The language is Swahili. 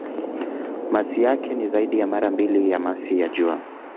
Masi yake ni zaidi ya mara mbili ya masi ya Jua.